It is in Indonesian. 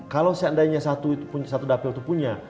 kalau seandainya satu dapil itu punya